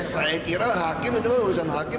saya kira hakim itu urusan hakim